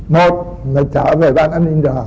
một là trở về ban an ninh rõ